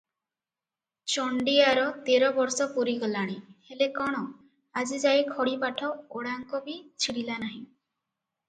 ଚଣ୍ଡିଆର ତେର ବର୍ଷ ପୂରିଗଲାଣି, ହେଲେ କଣ, ଆଜିଯାଏ ଖଡ଼ିପାଠ ଓଡ଼ାଙ୍କ ବି ଛିଡ଼ିଲା ନାହିଁ ।